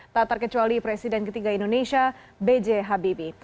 tak terkecuali presiden ketiga indonesia b j habibie